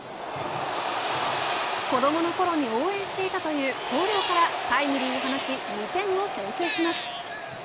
子どものころに応援していたという広陵からタイムリーを放ち２点を先制します。